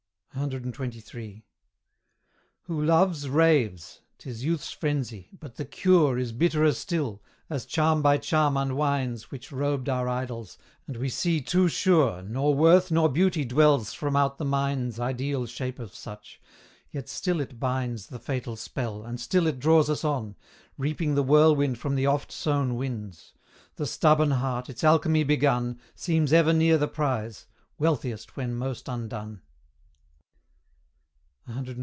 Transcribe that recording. CXXIII. Who loves, raves 'tis youth's frenzy but the cure Is bitterer still; as charm by charm unwinds Which robed our idols, and we see too sure Nor worth nor beauty dwells from out the mind's Ideal shape of such; yet still it binds The fatal spell, and still it draws us on, Reaping the whirlwind from the oft sown winds; The stubborn heart, its alchemy begun, Seems ever near the prize wealthiest when most undone.